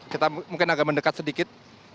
kita mungkin agak mendekat sedikit